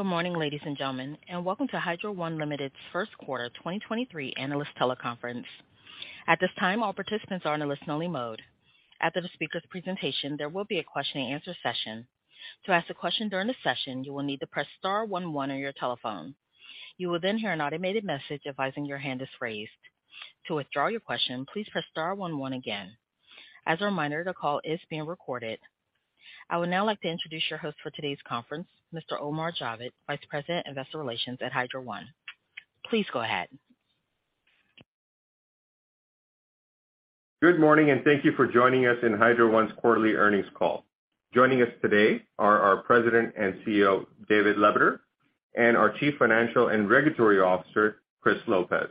Good morning, ladies and gentlemen, and welcome to Hydro One Limited's Q1 2023 analyst teleconference. At this time, all participants are in a listen-only mode. After the speaker's presentation, there will be a Q&A session. To ask a question during the session, you will need to press star one one on your telephone. You will then hear an automated message advising your hand is raised. To withdraw your question, please press star one one again. As a reminder, the call is being recorded. I would now like to introduce your host for today's conference, Mr. Omar Javed, Vice President, Investor Relations at Hydro One. Please go ahead. Good morning, thank you for joining us in Hydro One's quarterly earnings call. Joining us today are our President and Chief Executive Officer, David Lebeter, and our Chief Financial and Regulatory Officer, Chris Lopez.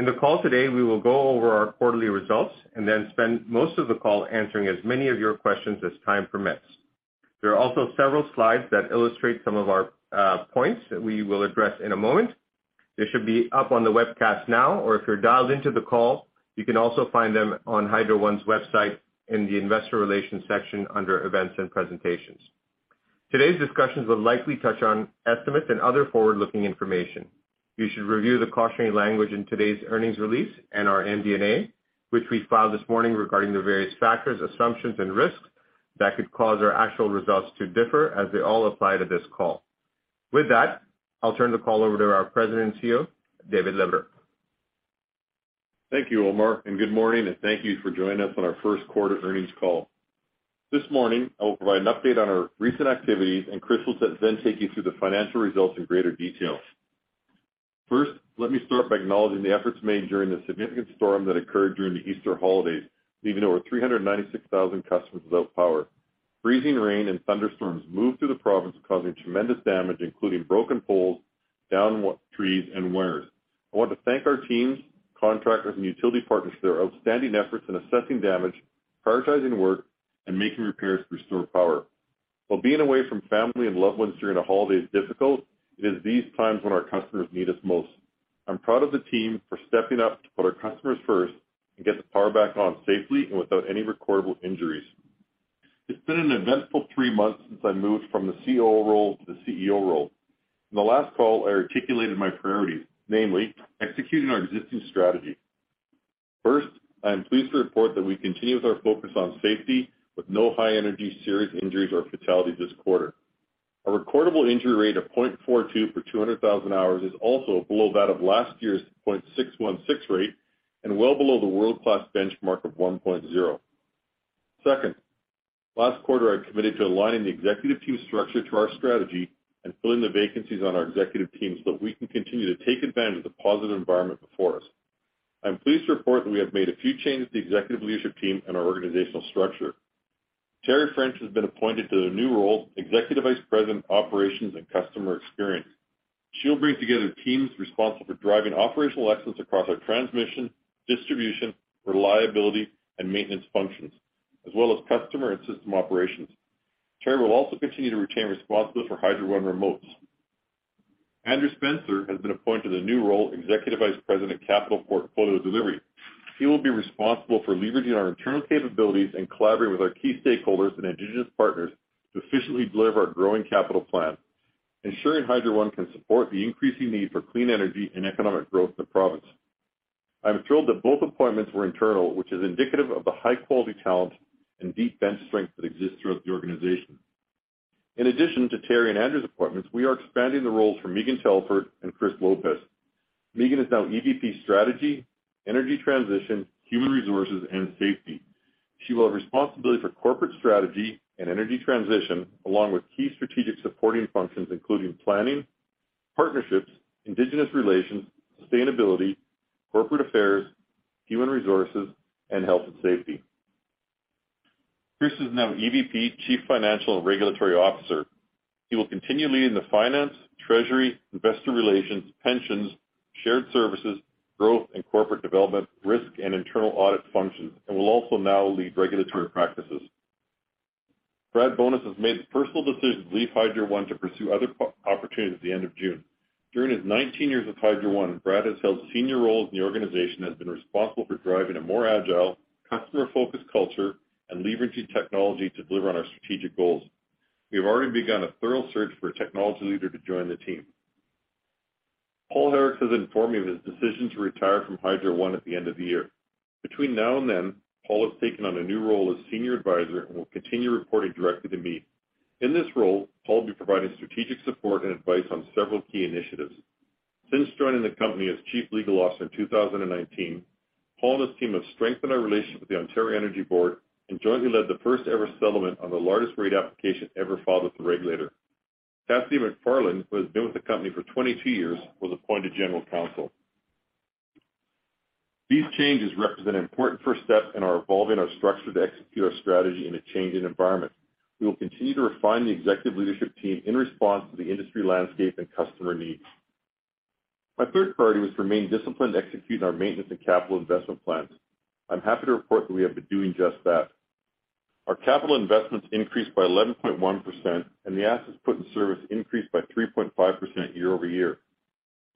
In the call today, we will go over our quarterly results and then spend most of the call answering as many of your questions as time permits. There are also several slides that illustrate some of our points that we will address in a moment. They should be up on the webcast now, or if you're dialed into the call, you can also find them on Hydro One's website in the Investor Relations section under Events and Presentations. Today's discussions will likely touch on estimates and other forward-looking information. You should review the cautionary language in today's earnings release and our MD&A, which we filed this morning regarding the various factors, assumptions, and risks that could cause our actual results to differ as they all apply to this call. With that, I'll turn the call over to our President and Chief Executive Officer, David Lebeter. Thank you, Omar, and good morning, and thank you for joining us on our Q1 earnings call. This morning, I will provide an update on our recent activities. Chris will then take you through the financial results in greater detail. First, let me start by acknowledging the efforts made during the significant storm that occurred during the Easter holidays, leaving over 396,000 customers without power. Freezing rain and thunderstorms moved through the province, causing tremendous damage, including broken poles, downed trees, and wires. I want to thank our teams, contractors, and utility partners for their outstanding efforts in assessing damage, prioritizing work, and making repairs to restore power. While being away from family and loved ones during a holiday is difficult, it is these times when our customers need us most. I'm proud of the team for stepping up to put our customers first and get the power back on safely and without any recordable injuries. It's been an eventful three months since I moved from the Chief Operating Officer role to the Chief Executive Officer role. In the last call, I articulated my priorities, namely executing our existing strategy. First, I am pleased to report that we continue with our focus on safety with no high-energy serious injuries or fatalities this quarter. Our recordable injury rate of 0.42 per 200,000 hours is also below that of last year's 0.616 rate and well below the world-class benchmark of 1.0. Second, last quarter, I committed to aligning the executive team structure to our strategy and filling the vacancies on our executive team so that we can continue to take advantage of the positive environment before us. I'm pleased to report that we have made a few changes to the executive leadership team and our organizational structure. Teri French has been appointed to the new role of Executive Vice President of Operations and Customer Experience. She'll bring together teams responsible for driving operational excellence across our transmission, distribution, reliability, and maintenance functions, as well as customer and system operations. Teri will also continue to retain responsibilities for Hydro One Remotes. Andrew Spencer has been appointed a new role, Executive Vice President of Capital Portfolio Delivery. He will be responsible for leveraging our internal capabilities and collaborating with our key stakeholders and Indigenous partners to efficiently deliver our growing capital plan, ensuring Hydro One can support the increasing need for clean energy and economic growth in the province. I'm thrilled that both appointments were internal, which is indicative of the high-quality talent and deep bench strength that exists throughout the organization. In addition to Teri and Andrew's appointments, we are expanding the roles for Megan Telford and Chris Lopez. Megan is now EVP, Strategy, Energy Transition, Human Resources, and Safety. She will have responsibility for corporate strategy and energy transition, along with key strategic supporting functions, including planning, partnerships, Indigenous relations, sustainability, corporate affairs, human resources, and health and safety. Chris is now EVP, Chief Financial and Regulatory Officer. He will continue leading the finance, treasury, investor relations, pensions, shared services, growth and corporate development, risk and internal audit functions, and will also now lead regulatory practices. Brad Bonus has made the personal decision to leave Hydro One to pursue other opportunities at the end of June. During his 19 years with Hydro One, Brad has held senior roles in the organization, has been responsible for driving a more agile, customer-focused culture and leveraging technology to deliver on our strategic goals. We have already begun a thorough search for a technology leader to join the team. Paul Herrick has informed me of his decision to retire from Hydro One at the end of the year. Between now and then, Paul has taken on a new role as Senior Advisor and will continue reporting directly to me. In this role, Paul will be providing strategic support and advice on several key initiatives. Since joining the company as Chief Legal Officer in 2019, Paul and his team have strengthened our relationship with the Ontario Energy Board and jointly led the first-ever settlement on the largest rate application ever filed with the regulator. Cathy McFarlane, who has been with the company for 22 years, was appointed General Counsel. These changes represent an important first step in our evolving our structure to execute our strategy in a changing environment. We will continue to refine the executive leadership team in response to the industry landscape and customer needs. My third priority was to remain disciplined in executing our maintenance and capital investment plans. I'm happy to report that we have been doing just that. Our capital investments increased by 11.1%, and the assets put in service increased by 3.5% year-over-year.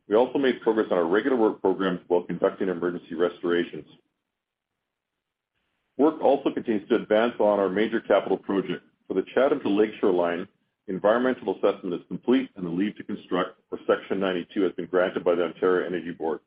We also made progress on our regular work programs while conducting emergency restorations. Work also continues to advance on our major capital project. For the Chatham to Lakeshore line, the environmental assessment is complete, the leave to construct for Section 92 has been granted by the Ontario Energy Board.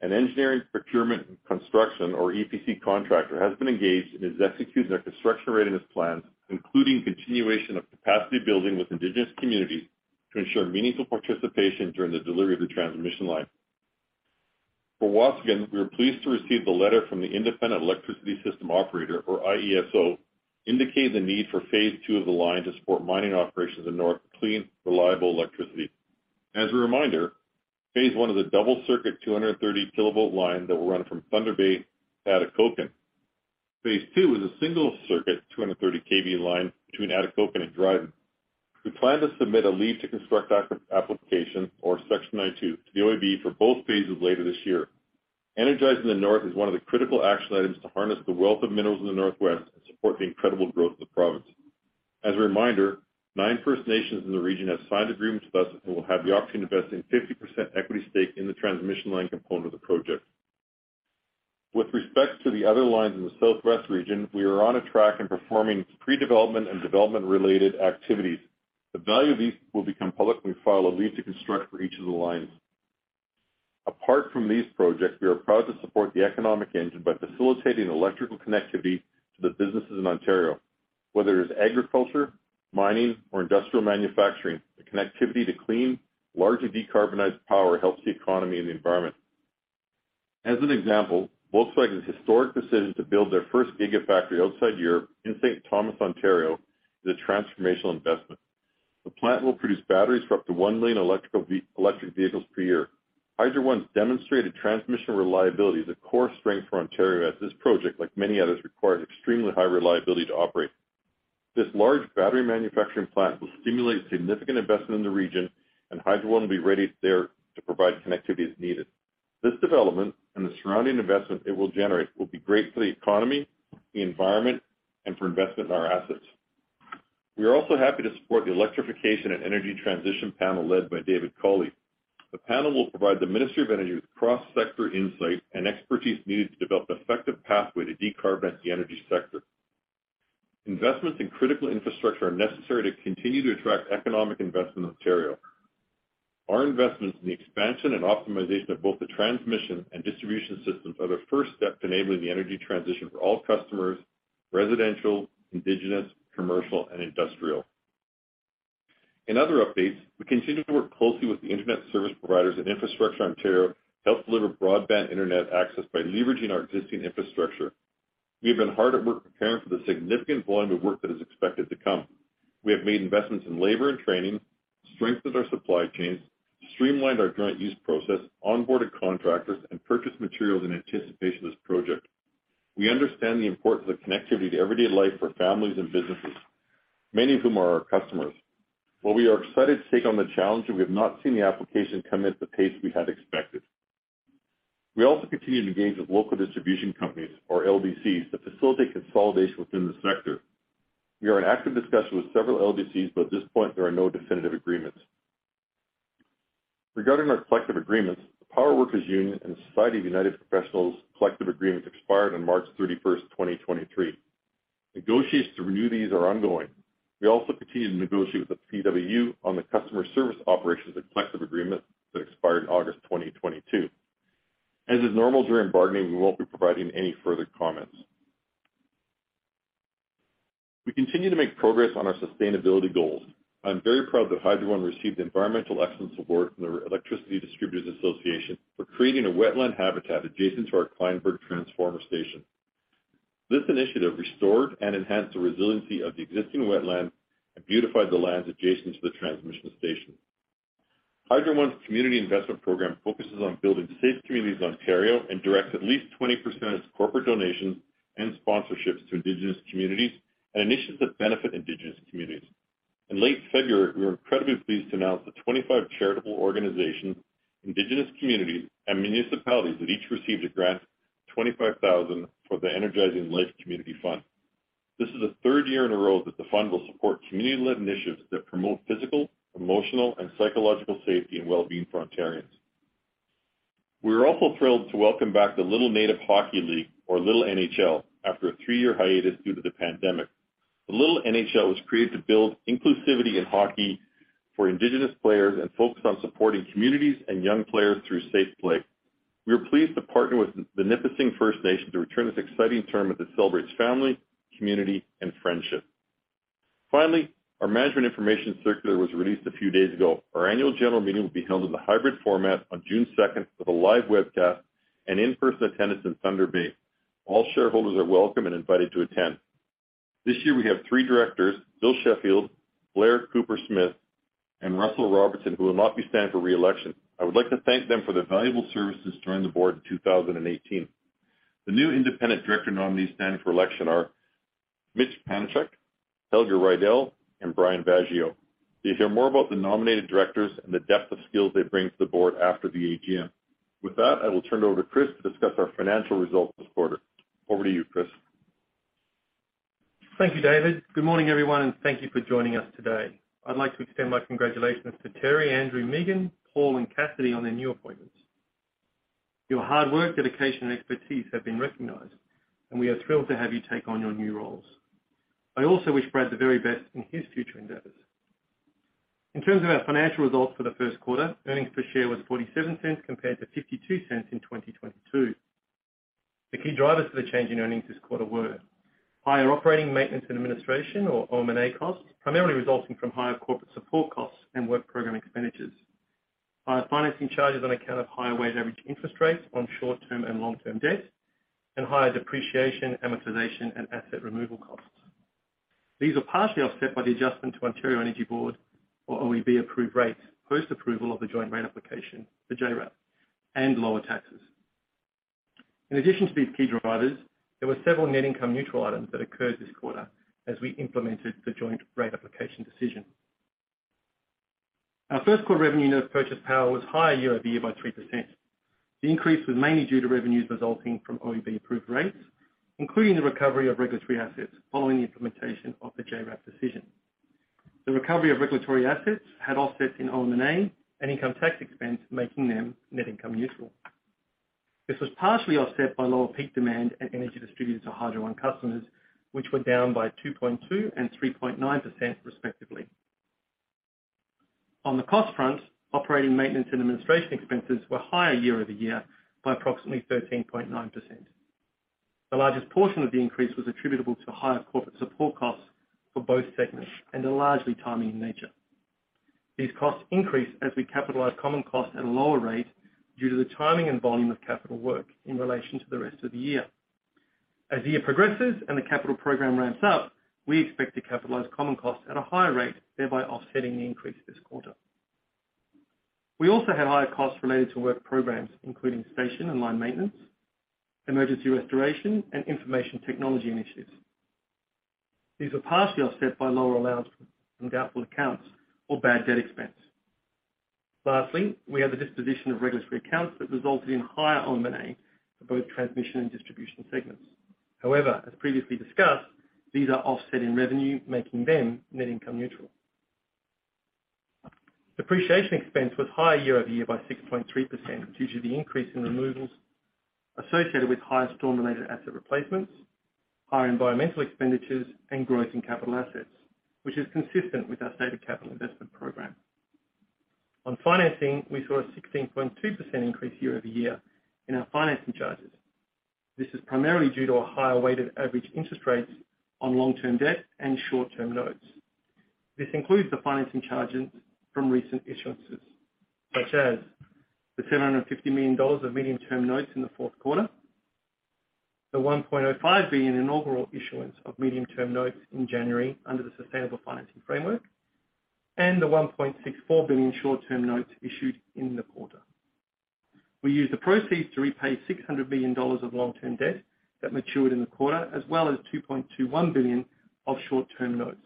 An engineering procurement and construction, or EPC contractor, has been engaged and is executing their construction readiness plans, including continuation of capacity building with Indigenous communities to ensure meaningful participation during the delivery of the transmission line. For Waasigan, we were pleased to receive the letter from the Independent Electricity System Operator, or IESO, indicating the need for phase II of the line to support mining operations in the north with clean, reliable electricity. A reminder, phase I is a double circuit 230 kV line that will run from Thunder Bay to Atikokan. phase II is a single circuit 230 KV line between Atikokan and Dryden. We plan to submit a leave to construct application, or Section 92, to the OEB for both phases later this year. Energizing the north is one of the critical action items to harness the wealth of minerals in the Northwest and support the incredible growth of the province. As a reminder, nine First Nations in the region have signed agreements with us and will have the option to invest in 50% equity stake in the transmission line component of the project. With respect to the other lines in the Southwest region, we are on a track and performing pre-development and development-related activities. The value of these will become public when we file a leave to construct for each of the lines. Apart from these projects, we are proud to support the economic engine by facilitating electrical connectivity to the businesses in Ontario. Whether it is agriculture, mining, or industrial manufacturing, the connectivity to clean, largely decarbonized power helps the economy and the environment. As an example, Volkswagen's historic decision to build their first gigafactory outside Europe in St. Thomas, Ontario, is a transformational investment. The plant will produce batteries for up to 1 million electric vehicles per year. Hydro One's demonstrated transmission reliability is a core strength for Ontario, as this project, like many others, requires extremely high reliability to operate. This large battery manufacturing plant will stimulate significant investment in the region, and Hydro One will be ready there to provide connectivity as needed. This development and the surrounding investment it will generate will be great for the economy, the environment, and for investment in our assets. We are also happy to support the electrification and energy transition panel led by David Coley. The panel will provide the Ministry of Energy with cross-sector insight and expertise needed to develop an effective pathway to decarbonize the energy sector. Investments in critical infrastructure are necessary to continue to attract economic investment in Ontario. Our investments in the expansion and optimization of both the transmission and distribution systems are the first step to enabling the energy transition for all customers, residential, Indigenous, commercial, and industrial. In other updates, we continue to work closely with the internet service providers and Infrastructure Ontario to help deliver broadband internet access by leveraging our existing infrastructure. We have been hard at work preparing for the significant volume of work that is expected to come. We have made investments in labor and training, strengthened our supply chains, streamlined our joint use process, onboarded contractors, and purchased materials in anticipation of this project. We understand the importance of connectivity to everyday life for families and businesses, many of whom are our customers. While we are excited to take on the challenge, we have not seen the application come at the pace we had expected. We also continue to engage with local distribution companies, or LDCs, to facilitate consolidation within the sector. We are in active discussion with several LDCs, but at this point, there are no definitive agreements. Regarding our collective agreements, the Power Workers Union and Society of United Professionals collective agreements expired on March 31, 2023. Negotiations to renew these are ongoing. We also continue to negotiate with the PWU on the customer service operations of collective agreements that expired in August 2022. As is normal during bargaining, we won't be providing any further comments. We continue to make progress on our sustainability goals. I'm very proud that Hydro One received the Environmental Excellence Award from the Electricity Distributors Association for creating a wetland habitat adjacent to our Kleinburg transformer station. This initiative restored and enhanced the resiliency of the existing wetlands and beautified the lands adjacent to the transmission station. Hydro One's community investment program focuses on building safe communities in Ontario and directs at least 20% of its corporate donations and sponsorships to Indigenous communities and initiatives that benefit Indigenous communities. In late February, we were incredibly pleased to announce that 25 charitable organizations, Indigenous communities, and municipalities that each received a grant of 25,000 for the Energizing Life Community Fund. This is the third year in a row that the fund will support community-led initiatives that promote physical, emotional, and psychological safety and wellbeing for Ontarians. We were also thrilled to welcome back the Little Native Hockey League, or Little NHL, after a three-year hiatus due to the pandemic. The Little NHL was created to build inclusivity in hockey for Indigenous players and focus on supporting communities and young players through safe play. We are pleased to partner with the Nipissing First Nation to return this exciting tournament that celebrates family, community, and friendship. Finally, our management information circular was released a few days ago. Our annual general meeting will be held in the hybrid format on June 2 with a live webcast and in-person attendance in Thunder Bay. All shareholders are welcome and invited to attend. This year, we have three directors, Bill Sheffield, Blair Cowper-Smith, and Russel Robertson, who will not be standing for re-election. I would like to thank them for their valuable services during the board in 2018.The new independent director nominees standing for election are Mitch Panciuk, Helga Reidel, and Brian Vaasjo. You'll hear more about the nominated directors and the depth of skills they bring to the board after the AGM. With that, I will turn it over to Chris to discuss our financial results this quarter. Over to you, Chris. Thank you, David. Good morning, everyone, and thank you for joining us today. I'd like to extend my congratulations to Teri French, Andrew Spencer, Megan Telford, Paul Herrick, and Cathy on their new appointments. Your hard work, dedication, and expertise have been recognized, and we are thrilled to have you take on your new roles. I also wish Brad Bonus the very best in his future endeavors. In terms of our financial results for the Q1, earnings per share was 0.47 compared to 0.52 in 2022. The key drivers to the change in earnings this quarter were higher operating maintenance and administration or OM&A costs, primarily resulting from higher corporate support costs and work program expenditures. Higher financing charges on account of higher weighted average interest rates on short-term and long-term debt, and higher depreciation, amortization, and asset removal costs. These are partially offset by the adjustment to Ontario Energy Board, or OEB-approved rates, post approval of the joint rate application, the JRAT, and lower taxes. There were several net income neutral items that occurred this quarter as we implemented the joint rate application decision. Our Q1 revenue net purchase power was higher year-over-year by 3%. The increase was mainly due to revenues resulting from OEB-approved rates, including the recovery of regulatory assets following the implementation of the JRAT decision. The recovery of regulatory assets had offsets in OM&A and income tax expense, making them net income neutral. This was partially offset by lower peak demand and energy distributed to Hydro One customers, which were down by 2.2% and 3.9% respectively. On the cost front, operating maintenance and administration expenses were higher year-over-year by approximately 13.9%. The largest portion of the increase was attributable to higher corporate support costs for both segments and are largely timing in nature. These costs increase as we capitalize common costs at a lower rate due to the timing and volume of capital work in relation to the rest of the year. As the year progresses and the capital program ramps up, we expect to capitalize common costs at a higher rate, thereby offsetting the increase this quarter. We also had higher costs related to work programs, including station and line maintenance, emergency restoration, and information technology initiatives. These were partially offset by lower allowance from doubtful accounts or bad debt expense. Lastly, we had the disposition of regulatory accounts that resulted in higher OM&A for both transmission and distribution segments. However, as previously discussed, these are offset in revenue, making them net income neutral. Depreciation expense was higher year-over-year by 6.3%, due to the increase in removals associated with higher storm-related asset replacements, higher environmental expenditures, and growth in capital assets, which is consistent with our stated capital investment program. On financing, we saw a 16.2% increase year-over-year in our financing charges. This is primarily due to a higher weighted average interest rates on long-term debt and short-term notes. This includes the financing charges from recent issuances, such as the 750 million dollars of medium-term notes in the Q4, the 1.05 billion inaugural issuance of medium-term notes in January under the Sustainable Financing Framework, and the 1.64 billion short-term notes issued in the quarter. We used the proceeds to repay 600 million dollars of long-term debt that matured in the quarter, as well as 2.21 billion of short-term notes.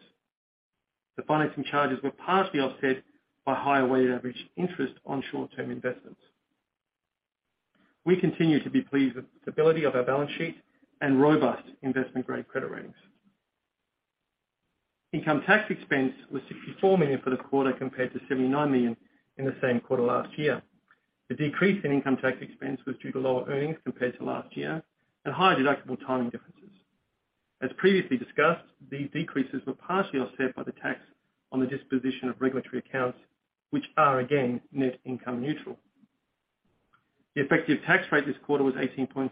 The financing charges were partially offset by higher weighted average interest on short-term investments. We continue to be pleased with the stability of our balance sheet and robust investment-grade credit ratings. Income tax expense was 64 million for the quarter, compared to 79 million in the same quarter last year. The decrease in income tax expense was due to lower earnings compared to last year and higher deductible timing differences. As previously discussed, these decreases were partially offset by the tax on the disposition of regulatory accounts, which are, again, net income neutral. The effective tax rate this quarter was 18.4%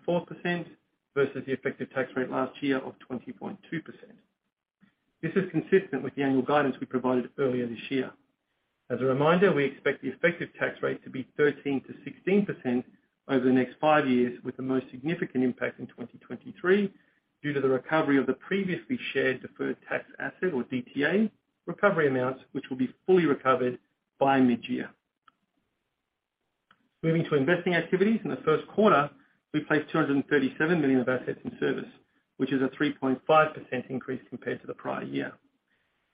versus the effective tax rate last year of 20.2%. This is consistent with the annual guidance we provided earlier this year. As a reminder, we expect the effective tax rate to be 13%-16% over the next five years, with the most significant impact in 2023 due to the recovery of the previously shared deferred tax asset, or DTA, recovery amounts, which will be fully recovered by mid-year. Moving to investing activities, in the Q1, we placed 237 million of assets in service, which is a 3.5% increase compared to the prior year.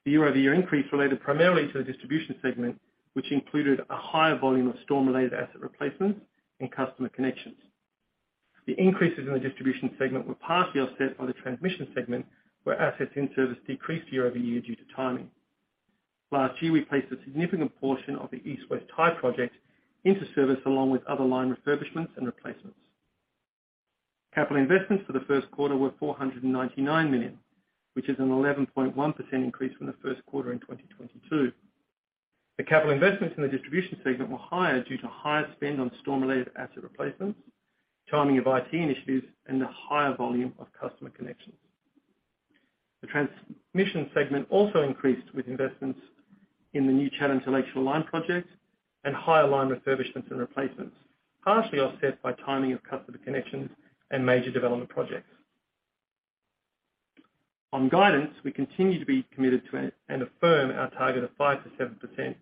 The year-over-year increase related primarily to the distribution segment, which included a higher volume of storm-related asset replacements and customer connections. The increases in the distribution segment were partially offset by the transmission segment, where assets in service decreased year-over-year due to timing. Last year, we placed a significant portion of the East-West Tie project into service, along with other line refurbishments and replacements. Capital investments for the Q1 were 499 million, which is an 11.1% increase from the Q1 in 2022. The capital investments in the distribution segment were higher due to higher spend on storm-related asset replacements, timing of IT initiatives, and the higher volume of customer connections. The transmission segment also increased with investments in the new Channel-Chukuni Line project and higher line refurbishments and replacements, partially offset by timing of customer connections and major development projects. On guidance, we continue to be committed to and affirm our target of 5%-7%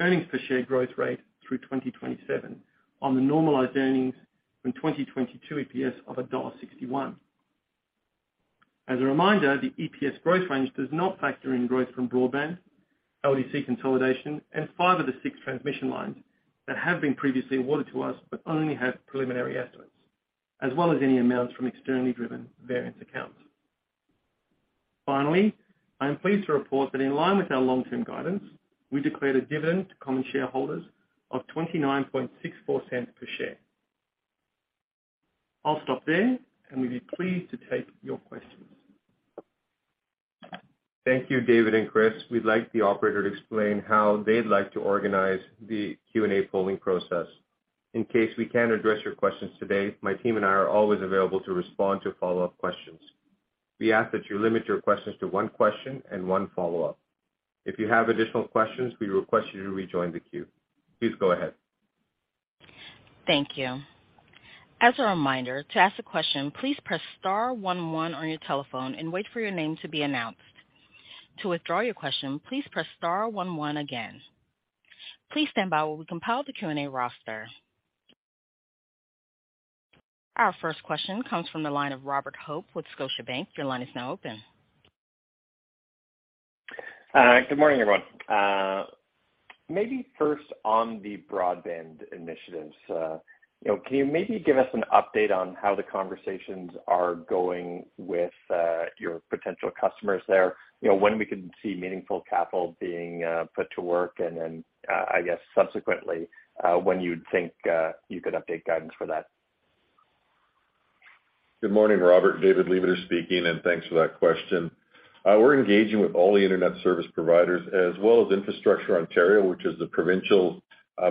earnings per share growth rate through 2027 on the normalized earnings from 2022 EPS of dollar 1.61. As a reminder, the EPS growth range does not factor in growth from broadband, LDC consolidation and five of the six transmission lines that have been previously awarded to us, but only have preliminary estimates, as well as any amounts from externally driven variance accounts. Finally, I am pleased to report that in line with our long-term guidance, we declared a dividend to common shareholders of 0.2964 per share. I'll stop there, and we'd be pleased to take your questions. Thank you, David and Chris. We'd like the operator to explain how they'd like to organize the Q&A polling process. In case we can't address your questions today, my team and I are always available to respond to follow-up questions. We ask that you limit your questions to one question and one follow-up. If you have additional questions, we request you to rejoin the queue. Please go ahead. Thank you. As a reminder, to ask a question, please press star one one on your telephone and wait for your name to be announced. To withdraw your question, please press star one one again. Please stand by while we compile the Q&A roster. Our first question comes from the line of Robert Hope with Scotiabank. Your line is now open. Good morning, everyone. Maybe first on the broadband initiatives. You know, can you maybe give us an update on how the conversations are going with your potential customers there? You know, when we can see meaningful capital being put to work and then, I guess subsequently, when you'd think you could update guidance for that? Good morning, Robert. David Lebeter speaking, thanks for that question. We're engaging with all the internet service providers as well as Infrastructure Ontario, which is the provincial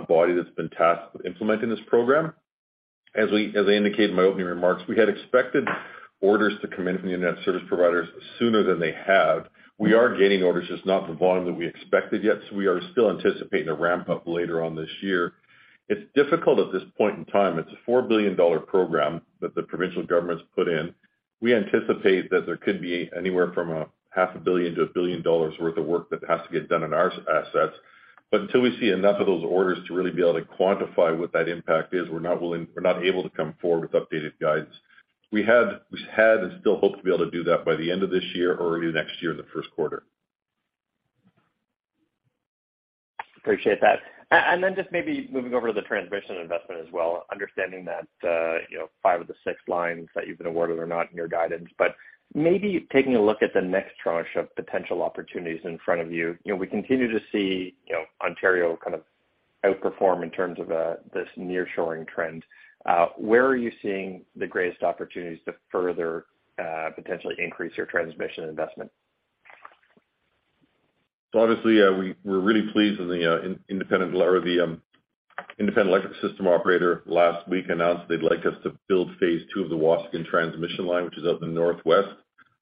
body that's been tasked with implementing this program. As I indicated in my opening remarks, we had expected orders to come in from the internet service providers sooner than they have. We are getting orders, just not the volume that we expected yet. We are still anticipating a ramp-up later on this year. It's difficult at this point in time. It's a 4 billion dollar program that the provincial government's put in. We anticipate that there could be anywhere from $500 million-CAD 1 billion worth of work that has to get done on our assets. Until we see enough of those orders to really be able to quantify what that impact is, we're not able to come forward with updated guidance. We had and still hope to be able to do that by the end of this year or early next year in the Q1. Appreciate that. Then just maybe moving over to the transmission investment as well, understanding that, you know, five of the six lines that you've been awarded are not in your guidance, but maybe taking a look at the next tranche of potential opportunities in front of you. You know, we continue to see, you know, Ontario kind of outperform in terms of this nearshoring trend. Where are you seeing the greatest opportunities to further, potentially increase your transmission investment? Obviously, we're really pleased that the Independent Electricity System Operator last week announced they'd like us to build phase II of the Waasegan transmission line, which is up in the northwest.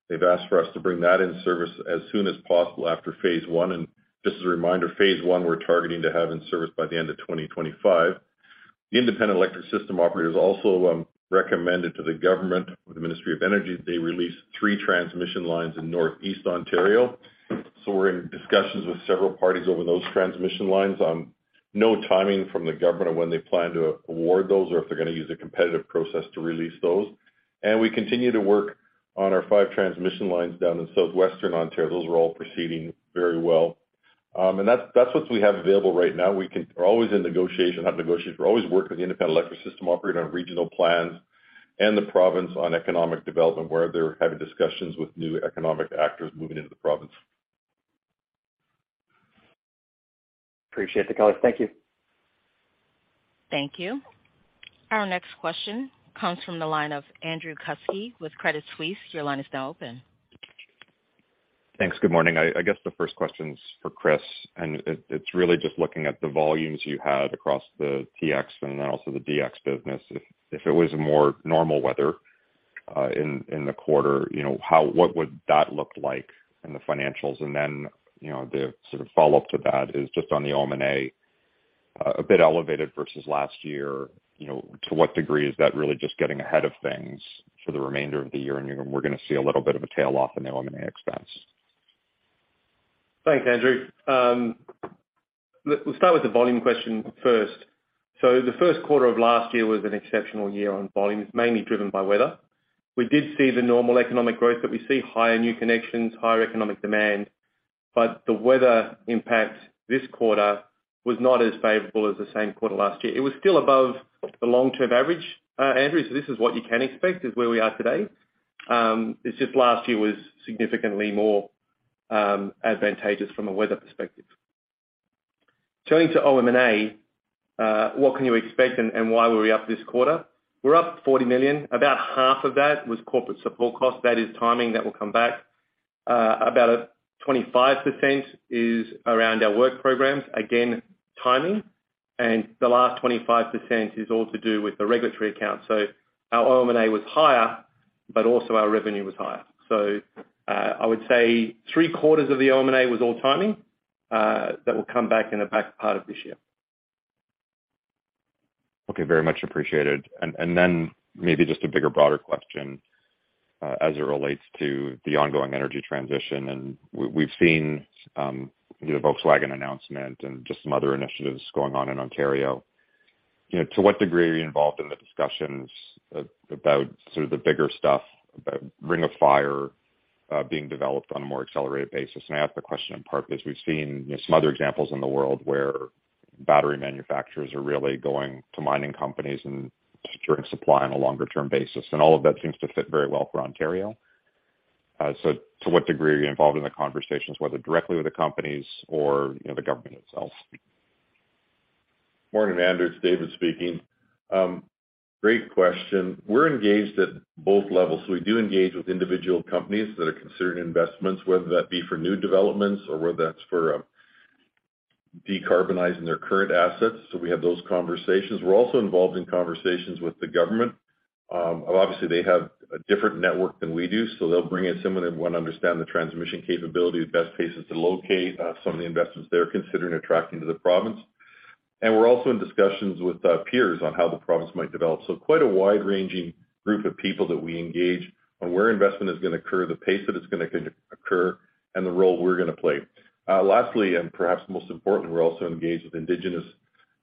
They've asked for us to bring that in service as soon as possible after phase I. Just as a reminder, phase I, we're targeting to have in service by the end of 2025. The Independent Electricity System Operator has also recommended to the government or the Ministry of Energy they release three transmission lines in northeast Ontario. We're in discussions with several parties over those transmission lines on no timing from the government of when they plan to award those or if they're gonna use a competitive process to release those. We continue to work on our five transmission lines down in southwestern Ontario. Those are all proceeding very well. That's what we have available right now. We're always in negotiation, have negotiations. We're always working with the Independent Electricity System Operator on regional plans and the province on economic development, where they're having discussions with new economic actors moving into the province. Appreciate the color. Thank you. Thank you. Our next question comes from the line of Andrew Kuske with Credit Suisse. Your line is now open. Thanks. Good morning. I guess the first question's for Chris, it's really just looking at the volumes you had across the TX and then also the DX business. If it was a more normal weather in the quarter, you know, what would that look like in the financials? You know, the sort of follow-up to that is just on the OM&A, a bit elevated versus last year. You know, to what degree is that really just getting ahead of things for the remainder of the year? You know, we're gonna see a little bit of a tail off in the OM&A expense. Thanks, Andrew. Let's start with the volume question first. The Q1 of last year was an exceptional year on volumes, mainly driven by weather. We did see the normal economic growth, but we see higher new connections, higher economic demand. The weather impact this quarter was not as favorable as the same quarter last year. It was still above the long-term average, Andrew, so this is what you can expect is where we are today. It's just last year was significantly more advantageous from a weather perspective. Turning to OM&A, what can you expect and why were we up this quarter? We're up 40 million. About half of that was corporate support costs. That is timing that will come back. About a 25% is around our work programs, again, timing. The last 25% is all to do with the regulatory accounts. Our OM&A was higher, but also our revenue was higher. I would say three-quarters of the OM&A was all timing that will come back in the back part of this year. Okay. Very much appreciated. Then maybe just a bigger, broader question as it relates to the ongoing energy transition. We've seen, you know, the Volkswagen announcement and just some other initiatives going on in Ontario. You know, to what degree are you involved in the discussions about sort of the bigger stuff, about Ring of Fire, being developed on a more accelerated basis? I ask the question in part because we've seen, you know, some other examples in the world where battery manufacturers are really going to mining companies and securing supply on a longer term basis, and all of that seems to fit very well for Ontario. To what degree are you involved in the conversations, whether directly with the companies or, you know, the government itself? Morning, Andrew. It's David speaking. Great question. We're engaged at both levels. We do engage with individual companies that are considering investments, whether that be for new developments or whether that's for, decarbonizing their current assets. We have those conversations. We're also involved in conversations with the government. Obviously, they have a different network than we do, so they'll bring in some of them who want to understand the transmission capability, the best places to locate, some of the investments they're considering attracting to the province. We're also in discussions with peers on how the province might develop. Quite a wide-ranging group of people that we engage on where investment is gonna occur, the pace that it's gonna occur, and the role we're gonna play. Lastly, and perhaps most importantly, we're also engaged with Indigenous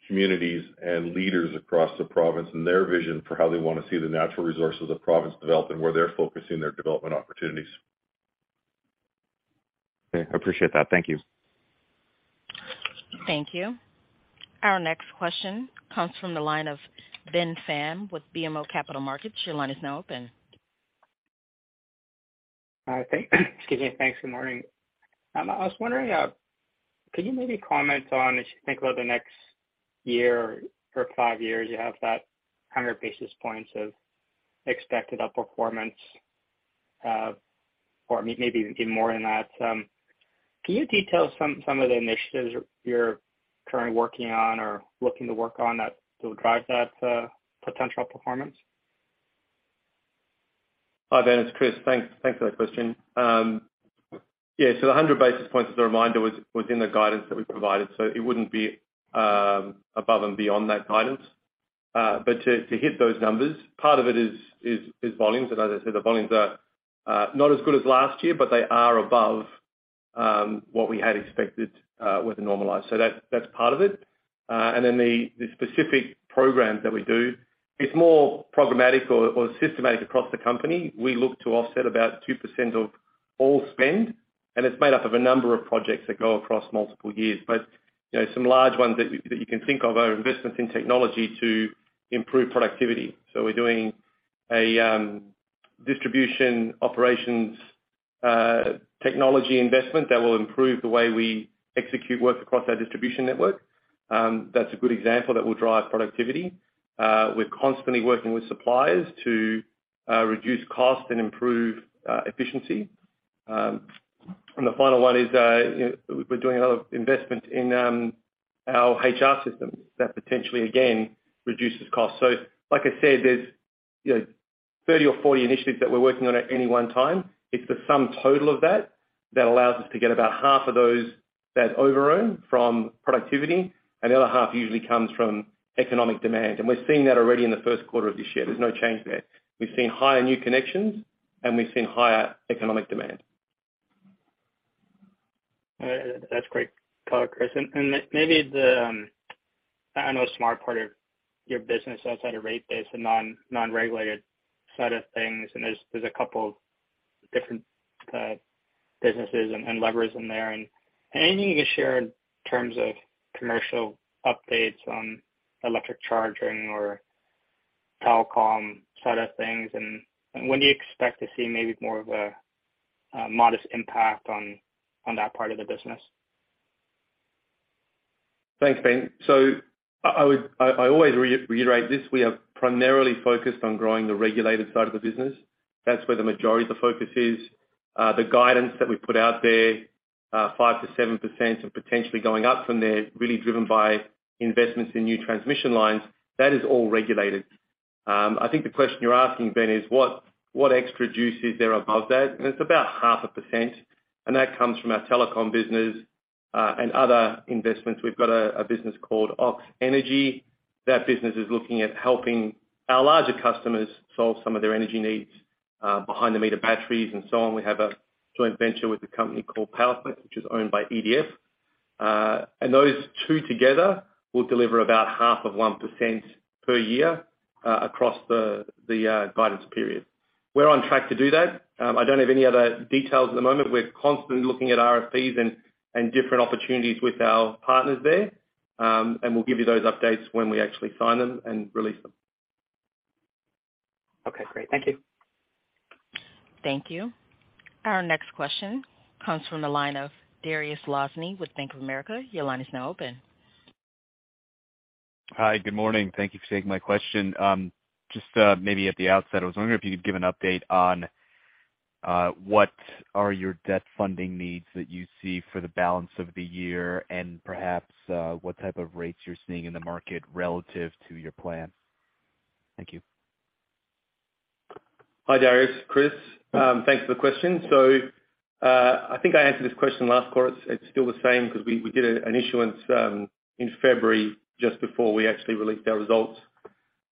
communities and leaders across the Province and their vision for how they wanna see the natural resources of the Province develop and where they're focusing their development opportunities. Okay, I appreciate that. Thank you. Thank you. Our next question comes from the line of Ben Pham with BMO Capital Markets. Your line is now open. Hi, excuse me. Thanks, good morning. I was wondering, could you maybe comment on, as you think about the next year or five years, you have that 100 basis points of expected outperformance, or maybe even more than that? Can you detail some of the initiatives you're currently working on or looking to work on that will drive that potential performance? Hi, Ben. It's Chris. Thanks for that question. Yeah. The 100 basis points, as a reminder, was in the guidance that we provided, so it wouldn't be above and beyond that guidance. To hit those numbers, part of it is volumes. As I said, the volumes are not as good as last year, but they are above what we had expected with the normalized. That's part of it. The specific programs that we do, it's more programmatic or systematic across the company. We look to offset about 2% of all spend, and it's made up of a number of projects that go across multiple years. You know, some large ones that you can think of are investments in technology to improve productivity. We're doing a distribution operations technology investment that will improve the way we execute work across our distribution network. That's a good example that will drive productivity. We're constantly working with suppliers to reduce cost and improve efficiency. The final one is, you know, we're doing another investment in our HR systems that potentially, again, reduces cost. Like I said, there's, you know, 30 or 40 initiatives that we're working on at any one time. It's the sum total of that that allows us to get about half of those, that overrun from productivity, and the other half usually comes from economic demand. We're seeing that already in the Q1 of this year. There's no change there. We've seen higher new connections, and we've seen higher economic demand. That's great color, Chris. Maybe the, I know a smart part of your business outside of rate base and non-regulated side of things, and there's a couple different businesses and levers in there, and anything you can share in terms of commercial updates on electric charging or telecom side of things, and when do you expect to see maybe more of a modest impact on that part of the business? Thanks, Ben. I always reiterate this. We are primarily focused on growing the regulated side of the business. That's where the majority of the focus is. The guidance that we put out there, 5%-7% and potentially going up from there, really driven by investments in new transmission lines, that is all regulated. I think the question you're asking, Ben, is what extra juice is there above that? It's about 0.5%, and that comes from our telecom business and other investments. We've got a business called AUX Energy. That business is looking at helping our larger customers solve some of their energy needs, behind-the -meter batteries and so on. We have a joint venture with a company called PowerFlex, which is owned by EDF. Those two together will deliver about half of 1% per year across the guidance period. We're on track to do that. I don't have any other details at the moment. We're constantly looking at RFPs and different opportunities with our partners there. We'll give you those updates when we actually sign them and release them. Okay, great. Thank you. Thank you. Our next question comes from the line of Dariusz Lozny with Bank of America. Your line is now open. Hi. Good morning. Thank you for taking my question. Just, maybe at the outset, I was wondering if you could give an update on what are your debt funding needs that you see for the balance of the year and perhaps what type of rates you're seeing in the market relative to your plan. Thank you. Hi, Darius. Chris. Thanks for the question. I think I answered this question last quarter. It's still the same 'cause we did an issuance in February just before we actually released our results,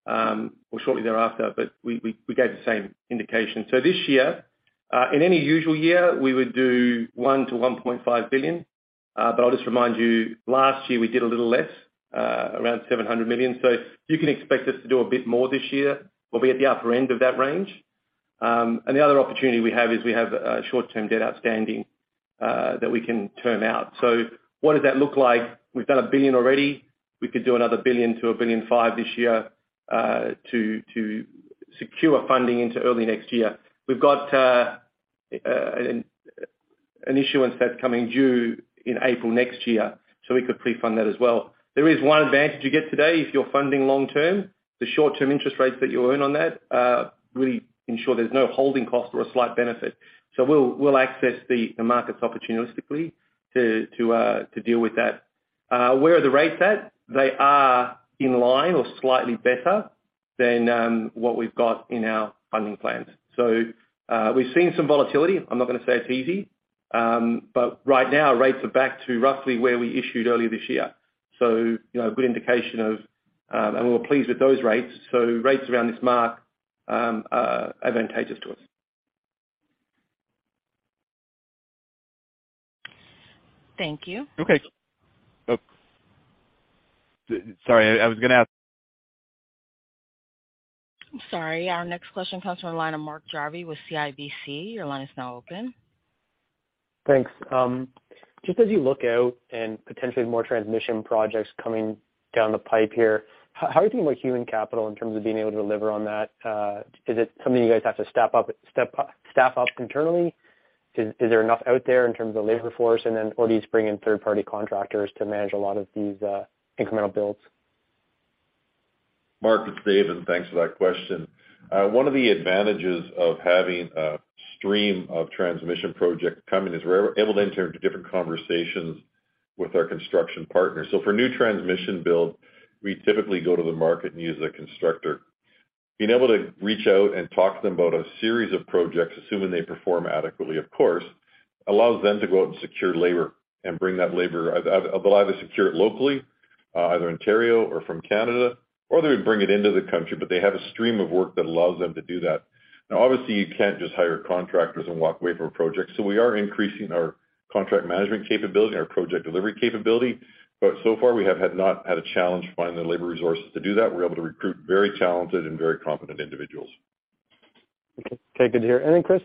or shortly thereafter. We gave the same indication. This year, in any usual year, we would do 1 billion-1.5 billion. I'll just remind you, last year we did a little less, around 700 million. You can expect us to do a bit more this year. We'll be at the upper end of that range. The other opportunity we have is we have short-term debt outstanding that we can term out. What does that look like? We've done 1 billion already. We could do another 1 billion to 1.5 billion this year, to secure funding into early next year. We've got an issuance that's coming due in April next year, so we could pre-fund that as well. There is one advantage you get today if you're funding long-term, the short-term interest rates that you earn on that, really ensure there's no holding cost or a slight benefit. We'll access the markets opportunistically to deal with that. Where are the rates at? They are in line or slightly better than what we've got in our funding plans. You know, a good indication of... We're pleased with those rates. Rates around this mark, are advantageous to us. Thank you. Okay. Oh, sorry. I was gonna ask- Sorry. Our next question comes from the line of Mark Jarvi with CIBC. Your line is now open. Thanks. Just as you look out and potentially more transmission projects coming down the pipe here, how are you thinking about human capital in terms of being able to deliver on that? Is it something you guys have to staff up internally? Is, is there enough out there in terms of labor force? Or do you just bring in third-party contractors to manage a lot of these, incremental builds? Mark, it's David. Thanks for that question. One of the advantages of having a stream of transmission projects coming is we're able to enter into different conversations with our construction partners. For new transmission build, we typically go to the market and use a constructor. Being able to reach out and talk to them about a series of projects, assuming they perform adequately, of course, allows them to go out and secure labor and bring that labor, they'll either secure it locally, either Ontario or from Canada, or they bring it into the country, but they have a stream of work that allows them to do that. Obviously, you can't just hire contractors and walk away from a project. We are increasing our contract management capability and our project delivery capability. So far we have had not had a challenge finding the labor resources to do that. We're able to recruit very talented and very competent individuals. Okay, good to hear. Chris,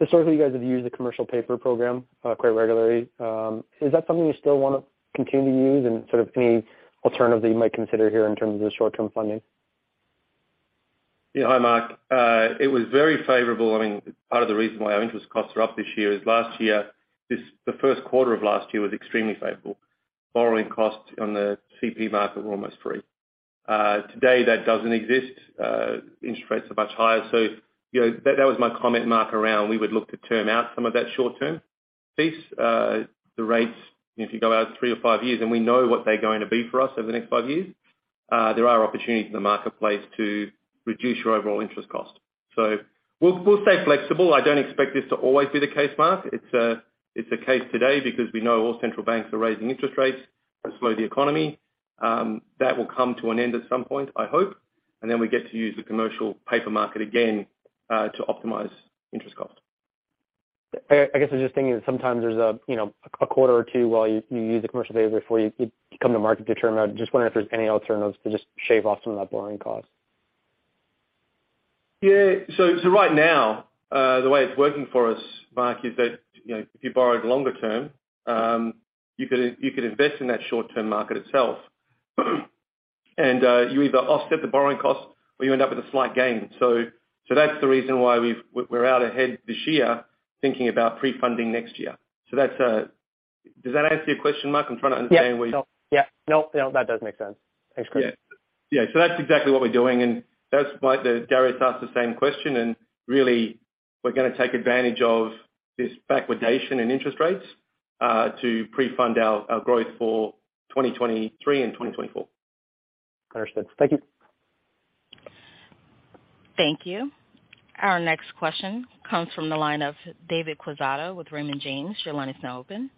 just obviously you guys have used the commercial paper program, quite regularly. Is that something you still wanna continue to use? Sort of any alternative you might consider here in terms of the short-term funding? Hi, Mark. It was very favorable. I mean, part of the reason why our interest costs are up this year is last year, the Q1 of last year was extremely favorable. Borrowing costs on the CP market were almost free. Today, that doesn't exist. Interest rates are much higher. You know, that was my comment, Mark, around we would look to term out some of that short-term piece. The rates, if you go out three to five years years and we know what they're going to be for us over the next five years, there are opportunities in the marketplace to reduce your overall interest cost. We'll stay flexible. I don't expect this to always be the case, Mark. It's a case today because we know all central banks are raising interest rates to slow the economy. That will come to an end at some point, I hope. We get to use the commercial paper market again, to optimize interest cost. I guess I'm just thinking sometimes there's a, you know, a quarter or two while you use the commercial paper before you come to market to term out. Just wondering if there's any alternatives to just shave off some of that borrowing cost. Yeah. Right now, the way it's working for us, Mark, is that, you know, if you borrowed longer term, you could invest in that short-term market itself. You either offset the borrowing cost or you end up with a slight gain. That's the reason why we're out ahead this year thinking about pre-funding next year. Does that answer your question, Mark? Yeah. No. Yeah. No, that does make sense. Thanks, Chris. Yeah. That's exactly what we're doing, and that's why Dariusz asked the same question. Really we're gonna take advantage of this backwardation in interest rates to pre-fund our growth for 2023 and 2024. Understood. Thank you. Thank you. Our next question comes from the line of David Quezada with Raymond James. Your line is now open.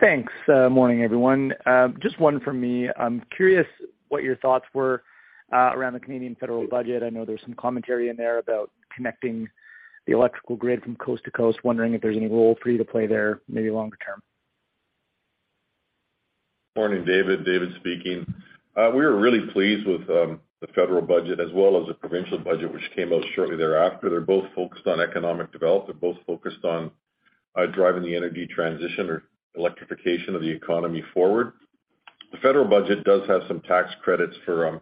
Thanks. Morning, everyone. Just one from me. I'm curious what your thoughts were around the Canadian federal budget. I know there's some commentary in there about connecting the electrical grid from coast to coast. Wondering if there's any role for you to play there, maybe longer term. Morning, David. David speaking. We were really pleased with the federal budget as well as the provincial budget which came out shortly thereafter. They're both focused on economic development. They're both focused on driving the energy transition or electrification of the economy forward. The federal budget does have some tax credits for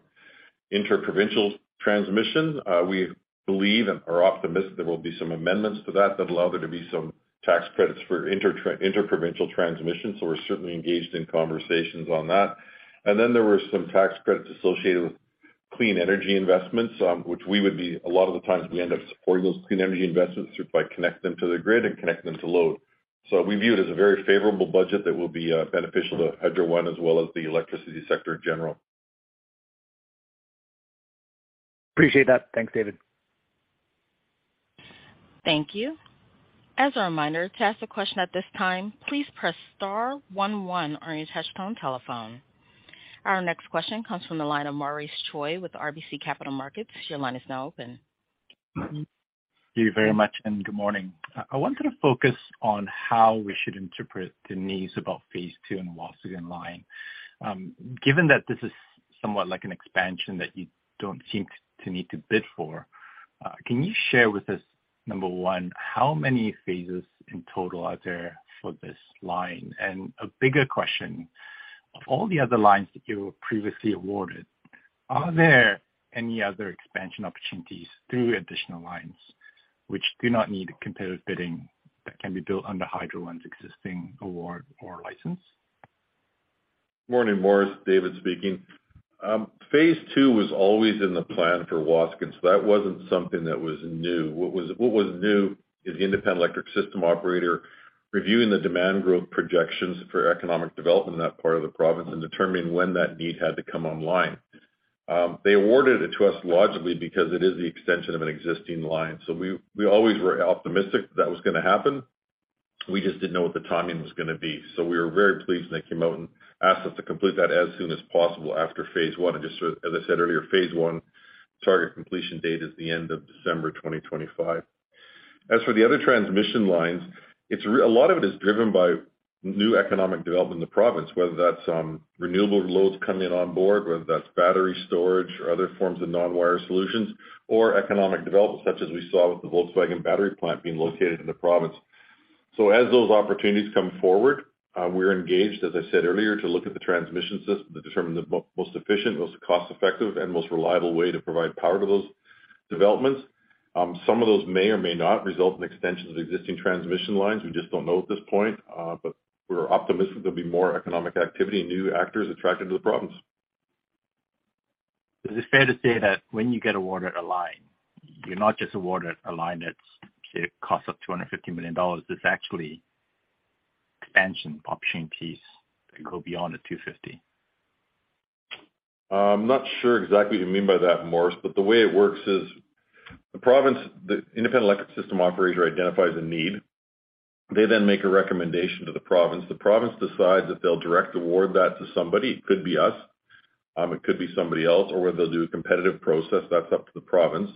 interprovincial transmission. We believe and are optimistic there will be some amendments to that that allow there to be some tax credits for interprovincial transmission, so we're certainly engaged in conversations on that. Then there were some tax credits associated with clean energy investments, which we would be a lot of the times we end up supporting those clean energy investments by connecting them to the grid and connecting them to load. We view it as a very favorable budget that will be beneficial to Hydro One as well as the electricity sector in general. Appreciate that. Thanks, David. Thank you. As a reminder, to ask a question at this time, please press star one one on your touchtone telephone. Our next question comes from the line of Maurice Choy with RBC Capital Markets. Your line is now open. Thank you very much. Good morning. I wanted to focus on how we should interpret the news about phase II and Waasigan Line. Given that this is somewhat like an expansion that you don't seem to need to bid for, can you share with us, number 1, how many phases in total are there for this line? A bigger question, of all the other lines that you were previously awarded, are there any other expansion opportunities through additional lines which do not need competitive bidding that can be built under Hydro One's existing award or license? Morning, Maurice. David speaking. phase II was always in the plan for Waasigan. That wasn't something that was new. What was new is the Independent Electricity System Operator reviewing the demand growth projections for economic development in that part of the province and determining when that need had to come online. They awarded it to us logically because it is the extension of an existing line. We always were optimistic that was gonna happen. We just didn't know what the timing was gonna be. We were very pleased when they came out and asked us to complete that as soon as possible after phase I. Just as I said earlier, phase I target completion date is the end of December 2025. As for the other transmission lines, A lot of it is driven by new economic development in the province, whether that's renewable loads coming on board, whether that's battery storage or other forms of non-wire solutions or economic development, such as we saw with the Volkswagen battery plant being located in the province. As those opportunities come forward, we're engaged, as I said earlier, to look at the transmission system to determine the most efficient, most cost-effective and most reliable way to provide power to those developments. Some of those may or may not result in extensions of existing transmission lines. We just don't know at this point. We're optimistic there'll be more economic activity and new actors attracted to the province. Is it fair to say that when you get awarded a line, you're not just awarded a line that's cost up 250 million dollars, there's actually expansion option piece that go beyond the 250? I'm not sure exactly what you mean by that, Maurice Choy. The way it works is the province, the Independent Electricity System Operator identifies a need. They then make a recommendation to the province. The province decides if they'll direct award that to somebody. It could be us, it could be somebody else, or whether they'll do a competitive process, that's up to the province.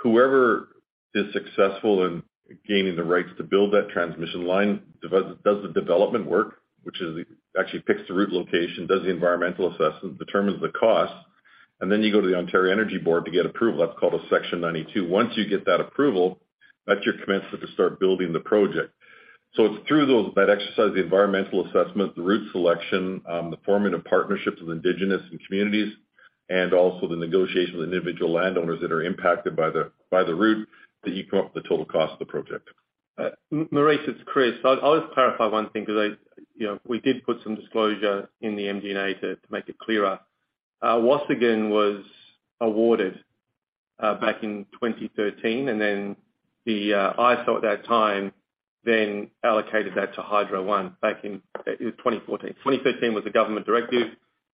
Whoever is successful in gaining the rights to build that transmission line does the development work, which is, actually picks the route location, does the environmental assessment, determines the cost, and then you go to the Ontario Energy Board to get approval. That's called a Section 92. Once you get that approval, that's your commencement to start building the project. It's through those, that exercise, the environmental assessment, the route selection, the formative partnerships with Indigenous and communities, and also the negotiations with individual landowners that are impacted by the route that you come up with the total cost of the project. Maurice, it's Chris. I'll just clarify one thing because I, you know, we did put some disclosure in the MD&A to make it clearer. Waasigan was awarded back in 2013, and then the ISO at that time then allocated that to Hydro One back in, it was 2014. 2013 was the government directive,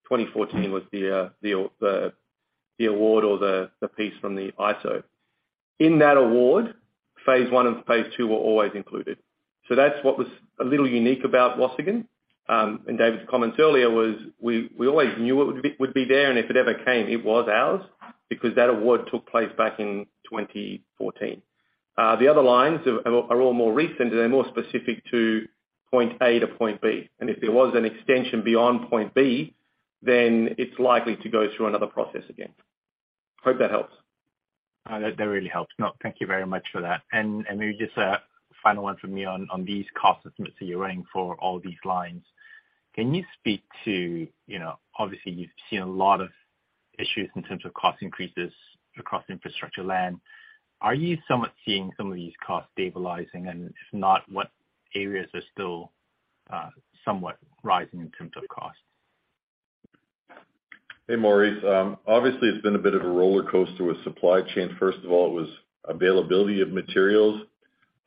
2014 was the award or the piece from the ISO. In that award, phase I and phase II were always included. That's what was a little unique about Waasigan. David's comments earlier was we always knew it would be there, and if it ever came, it was ours because that award took place back in 2014. The other lines are all more recent and they're more specific to point A to point B. If there was an extension beyond point B, then it's likely to go through another process again. Hope that helps. That really helps. No, thank you very much for that. Maybe just a final one from me on these cost estimates that you're running for all these lines. Can you speak to, you know, obviously you've seen a lot of issues in terms of cost increases across infrastructure land? Are you somewhat seeing some of these costs stabilizing? If not, what areas are still somewhat rising in terms of costs? Maurice, obviously, it's been a bit of a rollercoaster with supply chain. First of all, it was availability of materials,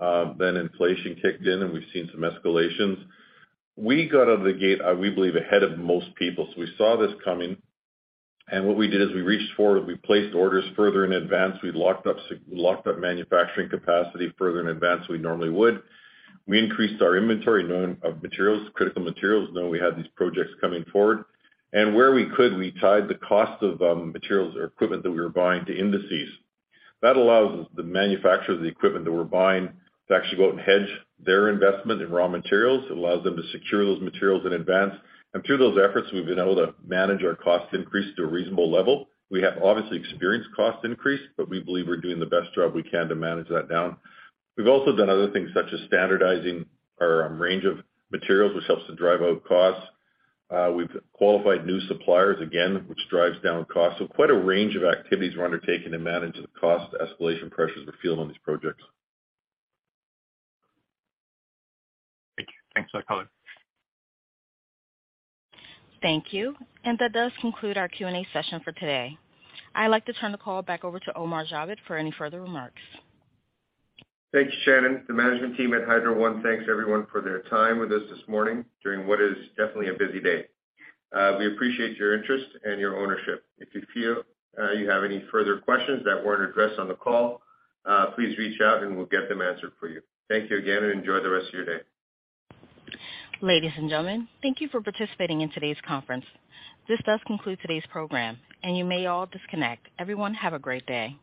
then inflation kicked in and we've seen some escalations. We got out of the gate, we believe ahead of most people. We saw this coming, and what we did is we reached forward, we placed orders further in advance. We locked up manufacturing capacity further in advance than we normally would. We increased our inventory knowing of materials, critical materials, knowing we had these projects coming forward. Where we could, we tied the cost of materials or equipment that we were buying to indices. That allows us, the manufacturers of the equipment that we're buying to actually go out and hedge their investment in raw materials. It allows them to secure those materials in advance. Through those efforts, we've been able to manage our cost increase to a reasonable level. We have obviously experienced cost increase, but we believe we're doing the best job we can to manage that down. We've also done other things such as standardizing our range of materials, which helps to drive out costs. We've qualified new suppliers again, which drives down costs. Quite a range of activities we're undertaking to manage the cost escalation pressures we're feeling on these projects. Thank you. Thanks for that color. Thank you. That does conclude our Q&A session for today. I'd like to turn the call back over to Omar Javed for any further remarks. Thanks, Shannon. The management team at Hydro One thanks everyone for their time with us this morning during what is definitely a busy day. We appreciate your interest and your ownership. If you feel, you have any further questions that weren't addressed on the call, please reach out and we'll get them answered for you. Thank you again, and enjoy the rest of your day. Ladies and gentlemen, thank you for participating in today's conference. This does conclude today's program, and you may all disconnect. Everyone, have a great day.